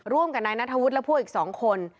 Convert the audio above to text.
ร่วมกับนายนัทธวุฒิและพวกอีก๒คน